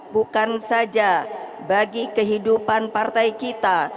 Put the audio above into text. bukan saja bagi kehidupan partai kita